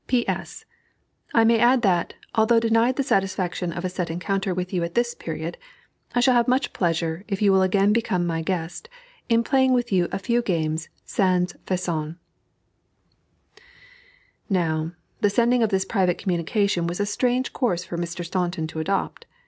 P. S. I may add that, although denied the satisfaction of a set encounter with you at this period, I shall have much pleasure, if you will again become my guest, in playing you a few games sans façon. Now the sending of this private communication was a strange course for Mr. Staunton to adopt.